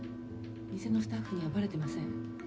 店のスタッフにはバレてません。